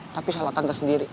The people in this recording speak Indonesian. tapi salah tante sendiri